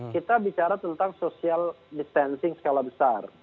kita bicara tentang social distancing skala besar